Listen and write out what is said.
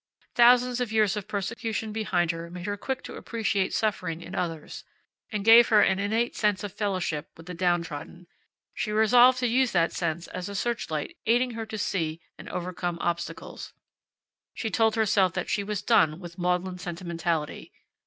Thousands of years of persecution behind her made her quick to appreciate suffering in others, and gave her an innate sense of fellowship with the downtrodden. She resolved to use that sense as a searchlight aiding her to see and overcome obstacles. She told herself that she was done with maudlin sentimentality.